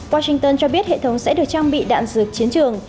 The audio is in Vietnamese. washington cho biết hệ thống sẽ được trang bị đạn dược chiến trường